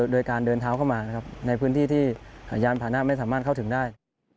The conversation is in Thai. โดยการเดินเท้าเข้ามาในพื้นที่ที่ยานผ่านะไม่สามารถเข้าถึงได้